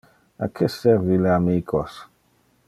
A que servi le amicos?